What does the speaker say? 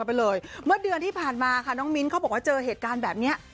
ไปเลยเมื่อเดือนที่ผ่านมาค่ะน้องมิ้นเขาบอกว่าเจอเหตุการณ์แบบนี้